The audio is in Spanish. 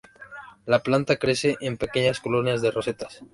La planta crece en pequeñas colonias de rosetas.